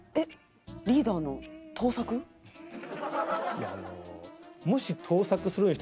いやあの。